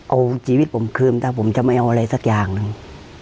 เอาชีวิตผมคืนถ้าผมจะไม่เอาอะไรสักอย่างหนึ่ง